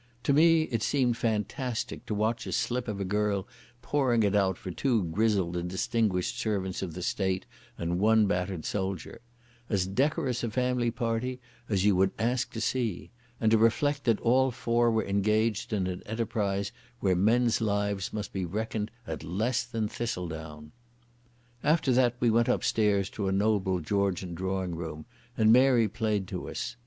To me it seemed fantastic to watch a slip of a girl pouring it out for two grizzled and distinguished servants of the State and one battered soldier—as decorous a family party as you would ask to see—and to reflect that all four were engaged in an enterprise where men's lives must be reckoned at less than thistledown. After that we went upstairs to a noble Georgian drawing room and Mary played to us.